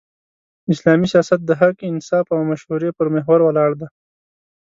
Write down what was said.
اسلامي سیاست د حق، انصاف او مشورې پر محور ولاړ دی.